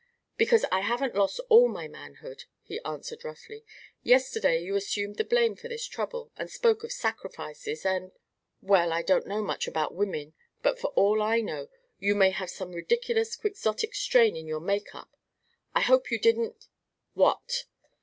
"Because I haven't lost all my manhood," he answered, roughly. "Yesterday you assumed the blame for this trouble, and spoke of sacrifices and well, I don't know much about women; but for all I know, you may have some ridiculous, quixotic strain in your make up. I hope you didn't " "What?"